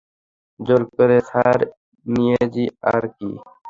জোর করে ধার নিয়েছি আরকি।